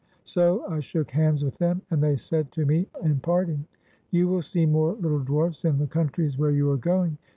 So I shook hands with them, and they said to me in parting, "You will see more little dwarfs in the coun tries where you are going.